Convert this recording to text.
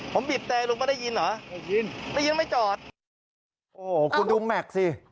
ผมบีบแต่ลุงก็ได้ยินเหรอยินได้ยินไม่จอดโอ้โหคุณดูแม็กซ์สิ